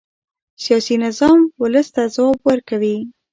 سیاسي نظام ولس ته ځواب ورکوي